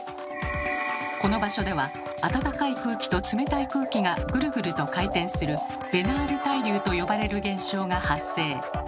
この場所では温かい空気と冷たい空気がぐるぐると回転する「べナール対流」と呼ばれる現象が発生。